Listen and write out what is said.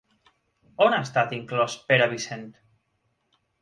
On ha estat inclòs Pere Vicent?